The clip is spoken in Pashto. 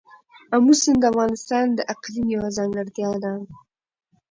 آمو سیند د افغانستان د اقلیم یوه ځانګړتیا ده.